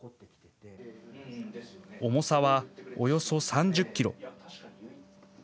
重さはおよそ３０キロ。